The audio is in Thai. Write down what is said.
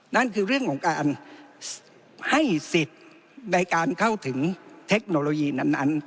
นั่นคือเรื่องของการให้สิทธิ์ในการเข้าถึงเทคโนโลยีนั้น